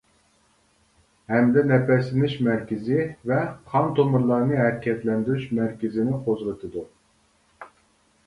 ھەمدە نەپەسلىنىش مەركىزىي ۋە قان تومۇرلارنى ھەرىكەتلەندۈرۈش مەركىزىنى قوزغىتىدۇ.